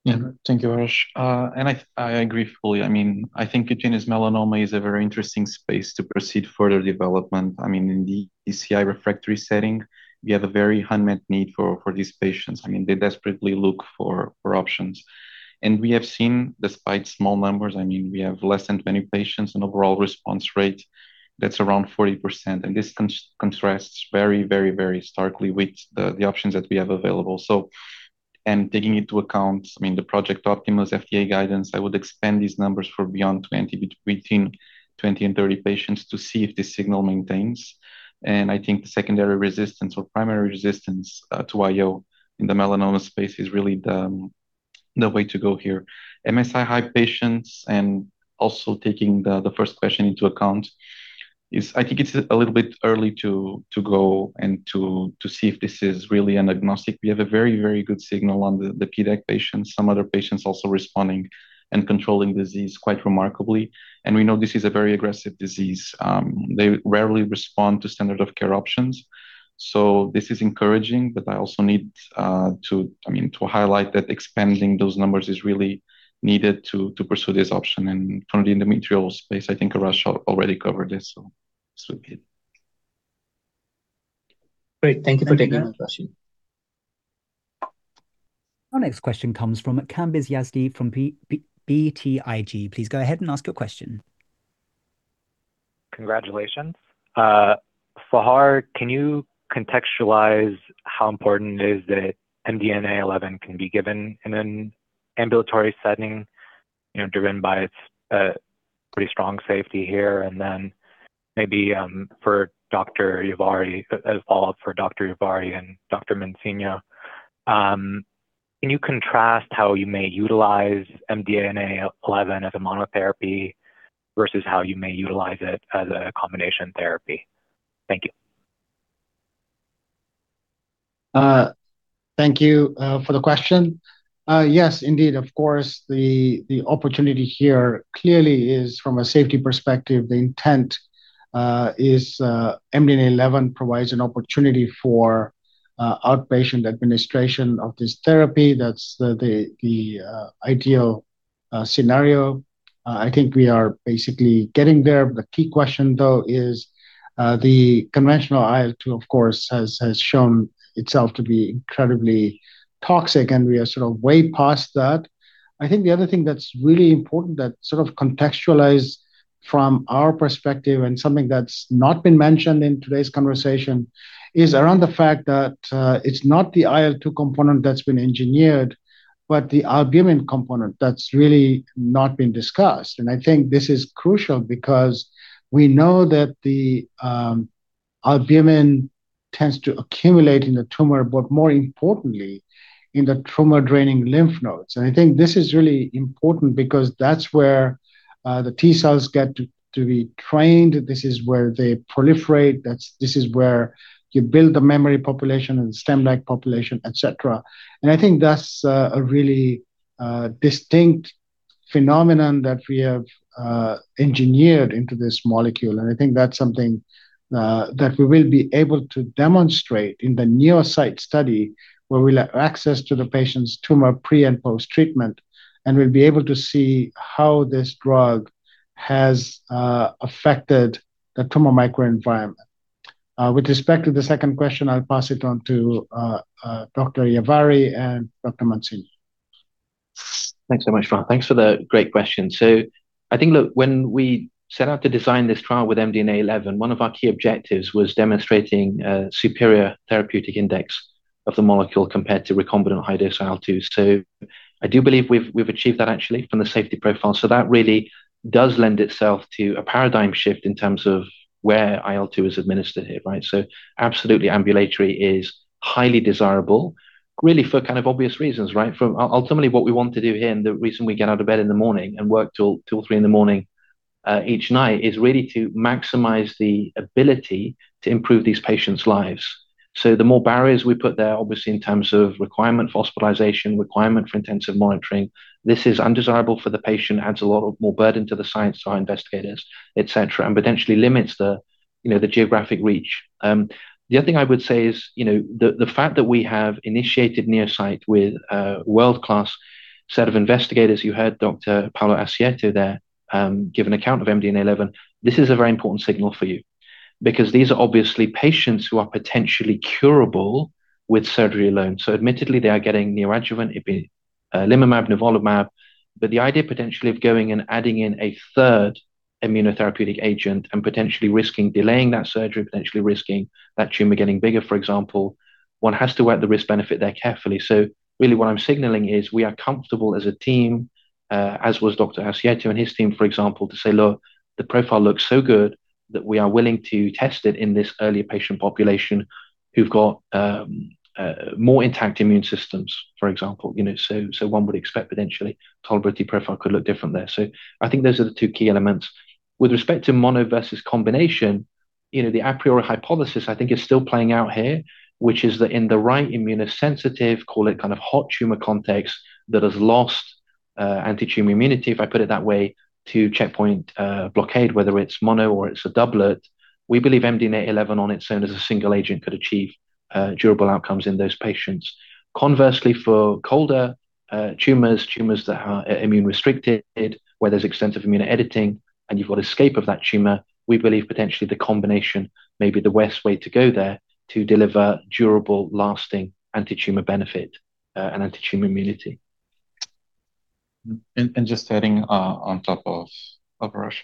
Yeah, thank you, Arash. And I agree fully. I mean, I think cutaneous melanoma is a very interesting space to proceed further development. I mean, in the ICI refractory setting, we have a very unmet need for these patients. I mean, they desperately look for options. And we have seen, despite small numbers, I mean, we have less than 20 patients and overall response rate that's around 40%. And this contrasts very, very, very starkly with the options that we have available. So, and taking into account, I mean, the Project Optimus FDA guidance, I would expand these numbers for beyond 20, between 20 and 30 patients to see if the signal maintains. And I think the secondary resistance or primary resistance to IO in the melanoma space is really the way to go here. MSI-high patients and also taking the first question into account is, I think, it's a little bit early to go and to see if this is really an agnostic. We have a very, very good signal on the PDAC patients. Some other patients also responding and controlling disease quite remarkably, and we know this is a very aggressive disease. They rarely respond to standard of care options, so this is encouraging, but I also need to, I mean, to highlight that expanding those numbers is really needed to pursue this option, and from the endometrial space, I think Arash already covered this, so this would be it.
Great. Thank you for taking my question.
Our next question comes from Kambiz Yazdi from BTIG. Please go ahead and ask your question.
Congratulations. Fahar, can you contextualize how important it is that MDNA11 can be given in an ambulatory setting, you know, driven by its pretty strong safety here? And then maybe for Dr. Yavari, a follow-up for Dr. Yavari and Dr. Mansinho, can you contrast how you may utilize MDNA11 as a monotherapy versus how you may utilize it as a combination therapy? Thank you.
Thank you for the question. Yes, indeed, of course, the opportunity here clearly is from a safety perspective. The intent is MDNA11 provides an opportunity for outpatient administration of this therapy. That's the ideal scenario. I think we are basically getting there. The key question, though, is the conventional IO, of course, has shown itself to be incredibly toxic, and we are sort of way past that. I think the other thing that's really important that sort of contextualized from our perspective and something that's not been mentioned in today's conversation is around the fact that it's not the IL-2 component that's been engineered, but the albumin component that's really not been discussed, and I think this is crucial because we know that the albumin tends to accumulate in the tumor, but more importantly, in the tumor draining lymph nodes. And I think this is really important because that's where the T cells get to be trained. This is where they proliferate. This is where you build the memory population and the stem-like population, etc. And I think that's a really distinct phenomenon that we have engineered into this molecule. And I think that's something that we will be able to demonstrate in the NEO-CYT Study where we'll have access to the patient's tumor pre and post-treatment and will be able to see how this drug has affected the tumor microenvironment. With respect to the second question, I'll pass it on to Dr. Yavari and Dr. Mansinho.
Thanks so much, Fahar. Thanks for the great question. So I think, look, when we set out to design this trial with MDNA11, one of our key objectives was demonstrating a superior therapeutic index of the molecule compared to recombinant high-dose IL-2. So I do believe we've achieved that actually from the safety profile. So that really does lend itself to a paradigm shift in terms of where IL-2 is administered here, right? So absolutely ambulatory is highly desirable, really for kind of obvious reasons, right? Ultimately, what we want to do here and the reason we get out of bed in the morning and work till 2:00 A.M. or 3:00 A.M. in the morning each night is really to maximize the ability to improve these patients' lives. So the more barriers we put there, obviously in terms of requirement for hospitalization, requirement for intensive monitoring, this is undesirable for the patient, adds a lot more burden to the sites to our investigators, etc., and potentially limits the geographic reach. The other thing I would say is, you know, the fact that we have initiated NEO-CYT with a world-class set of investigators. You heard Dr. Paolo Ascierto there give an account of MDNA11. This is a very important signal for you because these are obviously patients who are potentially curable with surgery alone. So admittedly, they are getting neoadjuvant relatlimab, nivolumab, but the idea potentially of going and adding in a third immunotherapeutic agent and potentially risking delaying that surgery, potentially risking that tumor getting bigger, for example, one has to work the risk-benefit there carefully. So really what I'm signaling is we are comfortable as a team, as was Dr. Ascierto and his team, for example, to say, "Look, the profile looks so good that we are willing to test it in this early patient population who've got more intact immune systems," for example. So one would expect potentially tolerability profile could look different there. So I think those are the two key elements. With respect to mono versus combination, you know, the a priori hypothesis I think is still playing out here, which is that in the right immunosensitive, call it kind of hot tumor context that has lost anti-tumor immunity, if I put it that way, to checkpoint blockade, whether it's mono or it's a doublet, we believe MDNA11 on its own as a single agent could achieve durable outcomes in those patients. Conversely, for colder tumors, tumors that are immune-restricted, where there's extensive immunoediting and you've got escape of that tumor, we believe potentially the combination may be the best way to go there to deliver durable, lasting anti-tumor benefit and anti-tumor immunity.
And just adding on top of Arash's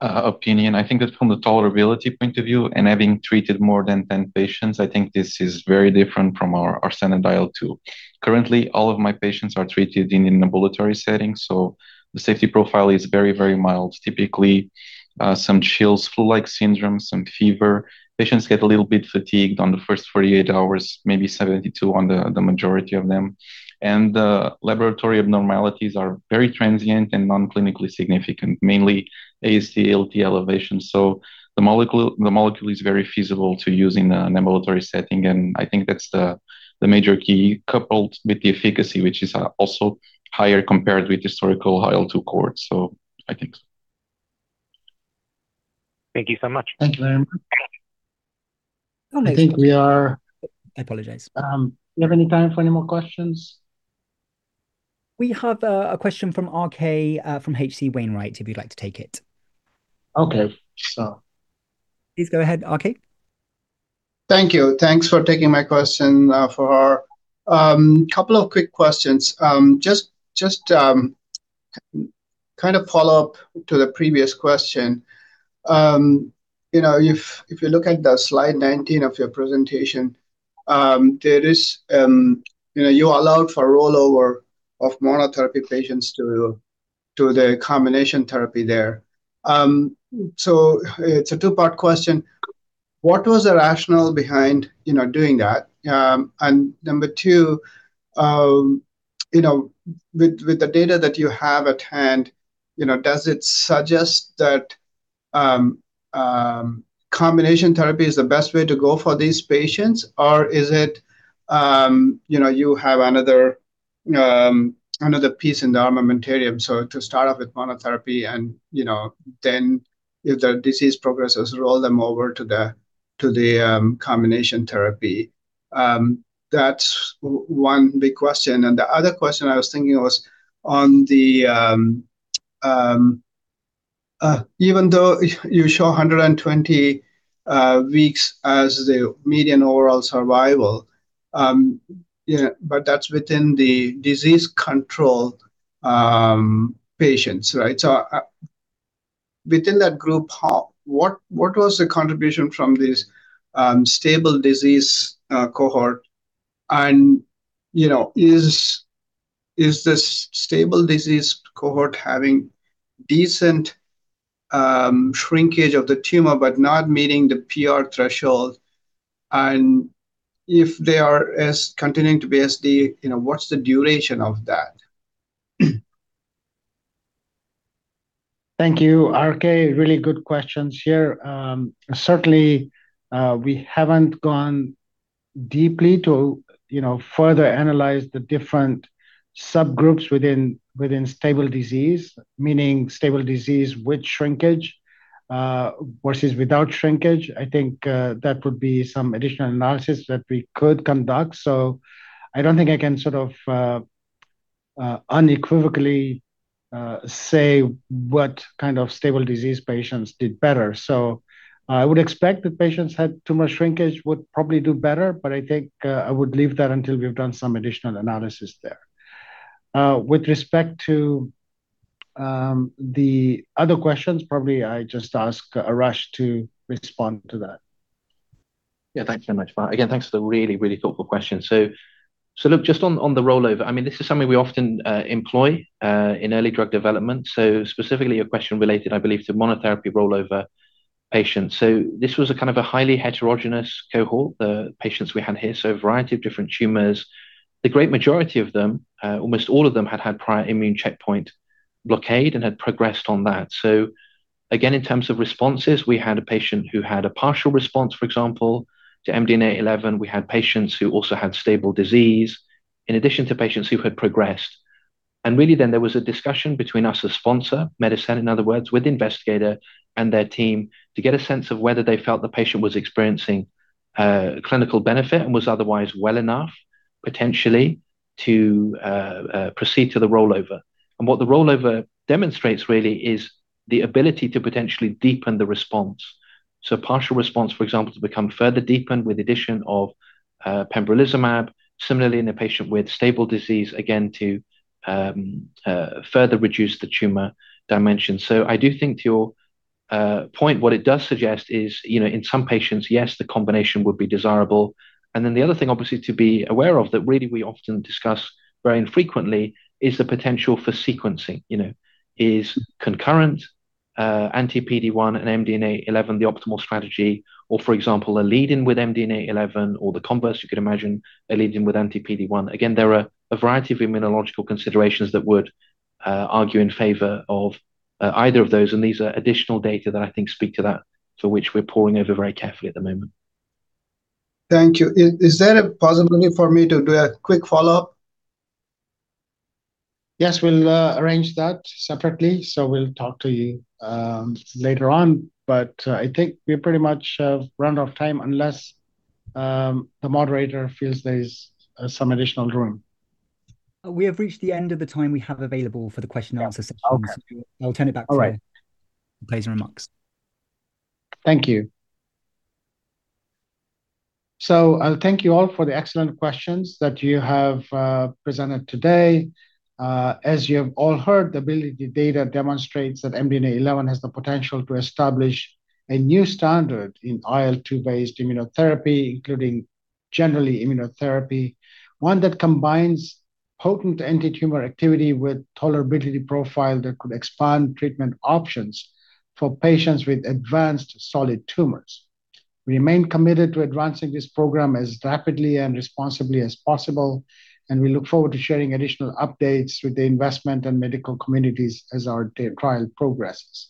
opinion, I think that from the tolerability point of view and having treated more than 10 patients, I think this is very different from our standard IL-2. Currently, all of my patients are treated in an ambulatory setting, so the safety profile is very, very mild. Typically, some chills, flu-like syndrome, some fever. Patients get a little bit fatigued on the first 48 hours, maybe 72 on the majority of them. And the laboratory abnormalities are very transient and non-clinically significant, mainly AST, ALT elevation. So the molecule is very feasible to use in an ambulatory setting, and I think that's the major key coupled with the efficacy, which is also higher compared with historical IL-2 cohorts. So I think so.
Thank you so much.
Thank you very much. I think we are.
I apologize.
Do you have any time for any more questions?
We have a question from RK from H.C. Wainwright, if you'd like to take it.
Okay. So.
Please go ahead, RK.
Thank you. Thanks for taking my question, Fahar. A couple of quick questions. Just kind of follow-up to the previous question. You know, if you look at the Slide 19 of your presentation, there is, you know, you allowed for rollover of monotherapy patients to the combination therapy there. So it's a two-part question. What was the rationale behind doing that? And number two, you know, with the data that you have at hand, you know, does it suggest that combination therapy is the best way to go for these patients, or is it, you know, you have another piece in the armamentarium, so to start off with monotherapy and, you know, then if the disease progresses, roll them over to the combination therapy? That's one big question. And the other question I was thinking was on the even though you show 120 weeks as the median overall survival, but that's within the disease-controlled patients, right? So within that group, what was the contribution from this stable disease cohort? And, you know, is this stable disease cohort having decent shrinkage of the tumor but not meeting the PR threshold? And if they are continuing to be SD, you know, what's the duration of that?
Thank you, RK. Really good questions here. Certainly, we haven't gone deeply to, you know, further analyze the different subgroups within stable disease, meaning stable disease with shrinkage versus without shrinkage. I think that would be some additional analysis that we could conduct. So I don't think I can sort of unequivocally say what kind of stable disease patients did better. So I would expect that patients had tumor shrinkage would probably do better, but I think I would leave that until we've done some additional analysis there. With respect to the other questions, probably I just ask Arash to respond to that.
Yeah, thanks very much, Fahar. Again, thanks for the really, really thoughtful question. So, look, just on the rollover, I mean, this is something we often employ in early drug development. So specifically a question related, I believe, to monotherapy rollover patients. So this was a kind of a highly heterogeneous cohort, the patients we had here. So a variety of different tumors. The great majority of them, almost all of them had had prior immune checkpoint blockade and had progressed on that. So again, in terms of responses, we had a patient who had a partial response, for example, to MDNA11. We had patients who also had stable disease in addition to patients who had progressed. And really then there was a discussion between us as sponsor, Medicenna, in other words, with the investigator and their team to get a sense of whether they felt the patient was experiencing clinical benefit and was otherwise well enough potentially to proceed to the rollover. And what the rollover demonstrates really is the ability to potentially deepen the response. So partial response, for example, to become further deepened with addition of pembrolizumab. Similarly, in a patient with stable disease, again, to further reduce the tumor dimension. So I do think to your point, what it does suggest is, you know, in some patients, yes, the combination would be desirable. And then the other thing, obviously, to be aware of that really we often discuss very infrequently is the potential for sequencing, you know, is concurrent anti-PD-1 and MDNA11 the optimal strategy, or for example, a lead-in with MDNA11 or the converse, you could imagine, a lead-in with anti-PD-1. Again, there are a variety of immunological considerations that would argue in favor of either of those. And these are additional data that I think speak to that, for which we're poring over very carefully at the moment.
Thank you. Is there a possibility for me to do a quick follow-up?
Yes, we'll arrange that separately. So we'll talk to you later on, but I think we're pretty much run out of time unless the moderator feels there's some additional room.
We have reached the end of the time we have available for the question-and-answer session. I'll turn it back to you.
All right.
For closing remarks.
Thank you, so thank you all for the excellent questions that you have presented today. As you have all heard, the ABILITY data demonstrates that MDNA11 has the potential to establish a new standard in IL-2-based immunotherapy, including generally immunotherapy, one that combines potent anti-tumor activity with tolerability profile that could expand treatment options for patients with advanced solid tumors. We remain committed to advancing this program as rapidly and responsibly as possible, and we look forward to sharing additional updates with the investment and medical communities as our trial progresses.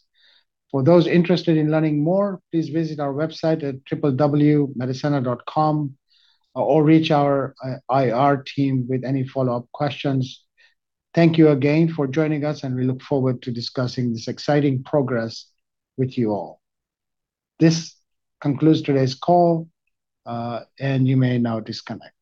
For those interested in learning more, please visit our website at www.medicenna.com or reach our IR team with any follow-up questions. Thank you again for joining us, and we look forward to discussing this exciting progress with you all. This concludes today's call, and you may now disconnect.